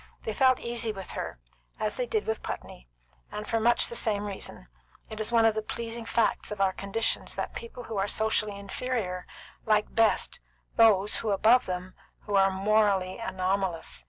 They felt easy with her, as they did with Putney, and for much the same reason: it is one of the pleasing facts of our conditions that people who are socially inferior like best those above them who are morally anomalous.